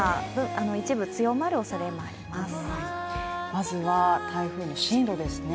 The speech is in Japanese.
まずは台風の進路ですね